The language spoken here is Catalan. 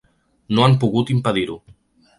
No han pogut impedir-ho.